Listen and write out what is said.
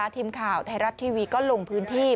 ทีมข่าวไทยรัฐทีวีก็ลงพื้นที่